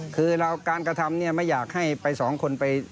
คือการกระทำเนี่ยไม่อยากให้ไปสองคนไป